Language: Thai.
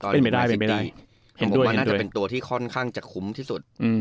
เป็นไม่ได้เป็นไม่ได้เห็นด้วยเป็นตัวที่ค่อนข้างจะคุ้มที่สุด